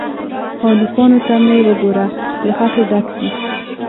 _ها! نوکانو ته مې وګوره، له خټو ډک دي.